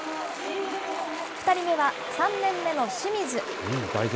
２人目は、３年目の清水。